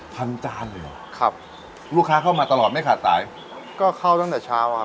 จานเลยเหรอครับลูกค้าเข้ามาตลอดไม่ขาดสายก็เข้าตั้งแต่เช้าอ่ะ